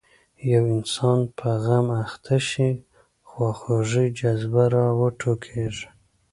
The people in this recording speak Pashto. یو انسان په غم اخته شي خواخوږۍ جذبه راوټوکېږي.